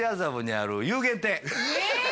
え！